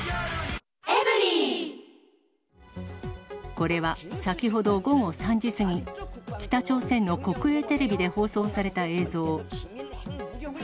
これは先ほど午後３時過ぎ、北朝鮮の国営テレビで放送された映像。